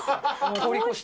通り越して？